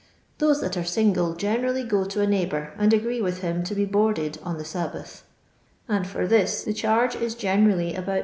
Those that are single generally go to a neighbour and agree with him to be boarded on the Sabbath ; and for this the charge is generally about 2«.